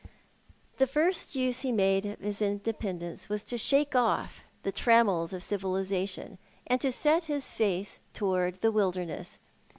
The first use he made of his independence was to shake off the trammels of civilisation, and to set his face towards the wilderness.